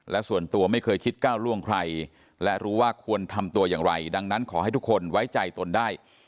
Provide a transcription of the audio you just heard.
และส่วนตัวไม่เคยคิดก้าวล่วงใครและรู้ว่าควรทำตัวอย่างไรดังนั้นขอให้ทุกคนไว้ใจตนได้